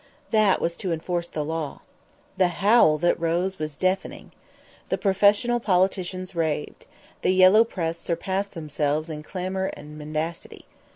That was to enforce the law. The howl that rose was deafening. The professional politicians raved. The yellow press surpassed themselves in clamor and mendacity.